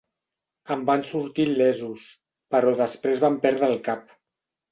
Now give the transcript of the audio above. En van sortir il·lesos, però després van perdre el cap.